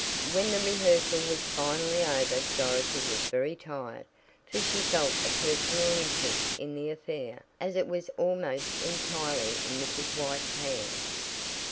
When the rehearsal was finally over Dorothy was very tired, for she felt a personal interest in the affair, as it was almost entirely in Mrs. White's hands.